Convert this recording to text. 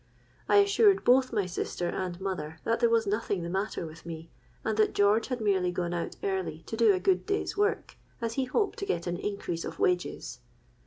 '—I assured both my sister and mother that there was nothing the matter with me, and that George had merely gone out early to do a good day's work, as he hoped to get an increase of wages.